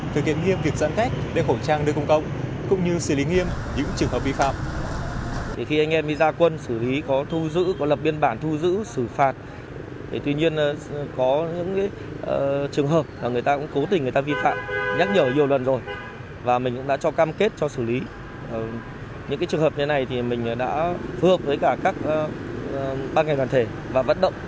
thực hiện nghiêm việc giãn cách để khẩu trang đưa công công cũng như xử lý nghiêm những trường hợp vi phạm